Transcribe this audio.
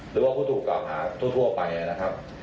หรือว่าผู้ถูกกล่าวหาทั่วไปนะครับ